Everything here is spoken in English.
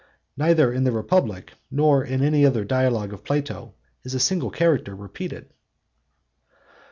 Neither in the Republic, nor in any other Dialogue of Plato, is a single character repeated.